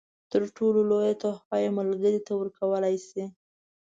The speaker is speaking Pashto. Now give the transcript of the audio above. تر ټولو لویه تحفه چې ملګري ته یې ورکولای شئ.